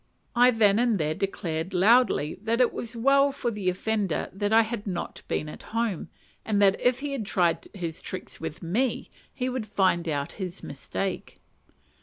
I then and there declared loudly that it was well for the offender that I had not been at home, and that if ever he tried his tricks with me he would find out his mistake.